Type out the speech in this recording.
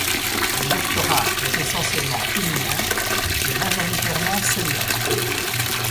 Le lectorat est essentiellement féminin, et majoritairement senior.